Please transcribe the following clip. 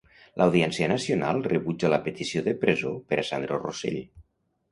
L'Audiència Nacional rebutja la petició de presó per a Sandro Rosell.